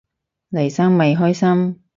黎生咪開心